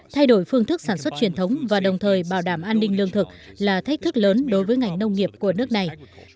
thay đổi phương thức sản xuất truyền thống và đồng thời bảo đảm an ninh lương thực là thách thức lớn đối với ngành nông nghiệp của nước này